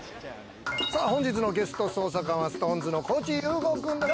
本日のゲスト捜査官はＳｉｘＴＯＮＥＳの高地優吾くんです。